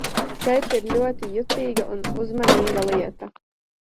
Šeit ir ļoti jutīga un uzmanīga lieta.